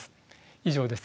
以上です。